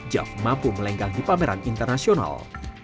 jav mampu melenggang di pameran internasional